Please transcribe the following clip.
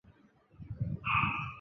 皇佑四年辞官归荆南。